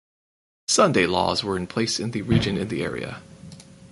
Sunday laws were in place in the region in the era.